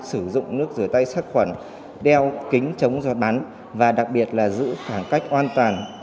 sử dụng nước rửa tay sát khuẩn đeo kính chống do bắn và đặc biệt là giữ khoảng cách an toàn